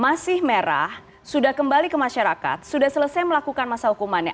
masih merah sudah kembali ke masyarakat sudah selesai melakukan masa hukumannya